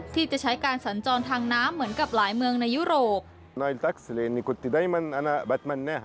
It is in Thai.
ที่จะใช้การสัญจรทางน้ำเหมือนกับหลายเมืองในยุโรป